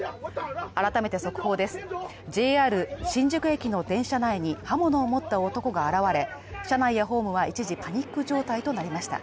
改めて速報です、ＪＲ新宿駅の電車内に刃物を持った男が現れ車内やホームは一時パニック状態となりました。